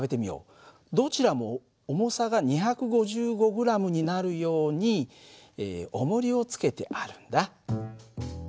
どちらも重さが２５５ｇになるようにおもりをつけてあるんだ。